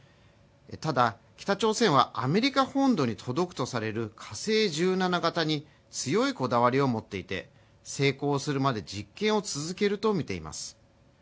ただ北朝鮮は、アメリカ本土に届くとされる火星１７型に強いこだわりを持っていて成功するまで実験を続けるとみています。